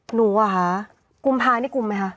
หนูว่ะคะกงภายนี่กงมั๊ยคะ